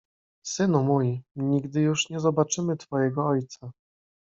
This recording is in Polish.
"Synu mój, nigdy już nie zobaczymy twojego ojca."